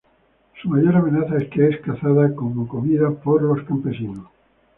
Su mayor amenaza es que es cazada como comida por los campesinos.